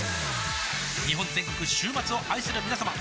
日本全国週末を愛するみなさま